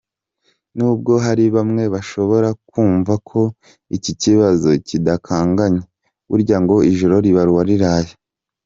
Nubwo hari bamwe bashobora kumva ko iki kibazo kidakanganye burya ngo ijoro ribara uwariraye.